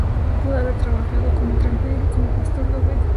Pudo haber trabajado como trampero y como pastor de ovejas.